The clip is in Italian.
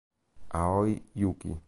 Aoi Yūki